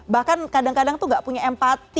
bahkan kadang kadang tuh gak punya empati